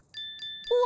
うわ！